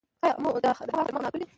یا مو د هغه کرامت مراعات کړی دی.